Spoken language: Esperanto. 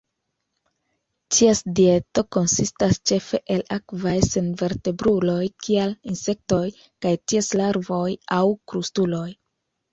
Ties dieto konsistas ĉefe el akvaj senvertebruloj kiaj insektoj kaj ties larvoj, aŭ krustuloj.